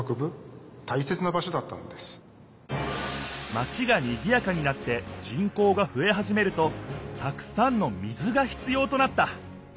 マチがにぎやかになって人口がふえはじめるとたくさんの水が必要となった。